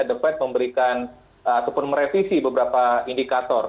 the fed memberikan ataupun merevisi beberapa indikator